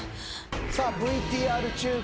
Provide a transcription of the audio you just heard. さあＶＴＲ中